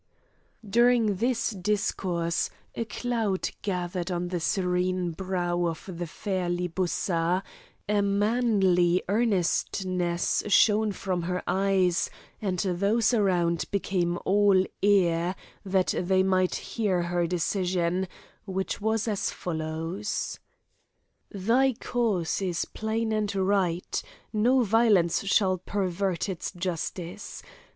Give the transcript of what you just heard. During this discourse, a cloud gathered on the serene brow of the fair Libussa, a manly earnestness shone from her eyes, and those around became all ear, that they might hear her decision, which was as follows: "Thy cause is plain and right; no violence shall pervert its justice.